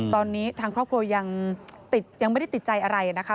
ตอนนี้ทางครอบครัวยังไม่ได้ติดใจอะไรนะคะ